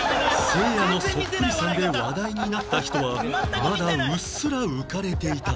せいやのそっくりさんで話題になった人はまだうっすら浮かれていた